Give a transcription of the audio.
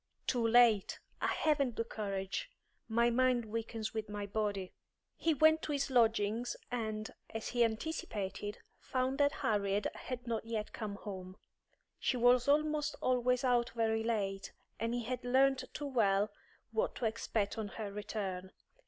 "Too late! I haven't the courage. My mind weakens with my body." He went to his lodgings, and, as he anticipated, found that Harriet had not yet come home. She was almost always out very late, and he had learnt too well what to expect on her return.